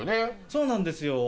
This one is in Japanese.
そうなんですよ。